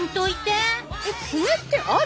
えっ爪ってある？